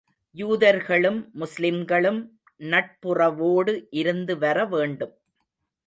யூதர்களும், முஸ்லிம்களும் நட்புறவோடு இருந்து வர வேண்டும்.